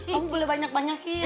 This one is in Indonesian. kamu boleh banyak banyakin